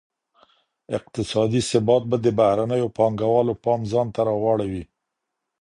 اقتصادي ثبات به د بهرنیو پانګوالو پام ځانته را واړوي.